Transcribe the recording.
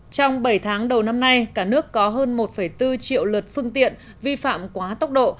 trong bảy tháng đầu năm nay cả nước có hơn một bốn triệu lượt phương tiện vi phạm quá tốc độ